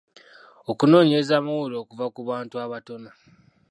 Okunoonyereza amawulire okuva ku Bantu abatono.